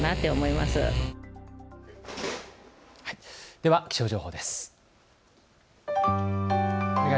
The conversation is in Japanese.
では気象情報です。